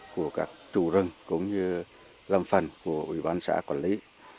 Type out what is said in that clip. của các chủ rừng cũng như lâm phần của ủy ban xã quản lý